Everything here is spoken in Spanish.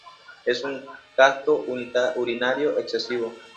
Es un gasto urinario excesivo.